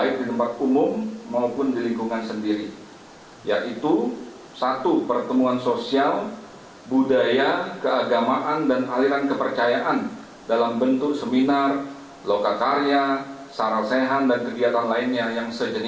kepala kepala kepala kepala